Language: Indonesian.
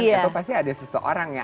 atau pasti ada seseorang ya